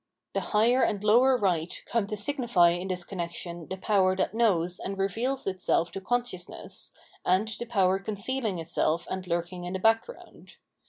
The higher and lower right come to signify in this connection the power that knows and reveals itself to consciousness, and the power concealing itself and lurking in the background.